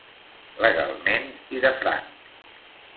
Legalment i de franc.